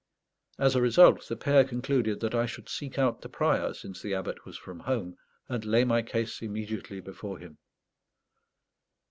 As a result the pair concluded that I should seek out the Prior, since the Abbot was from home, and lay my case immediately before him.